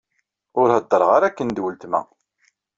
Ur hedder ara akken d uletma.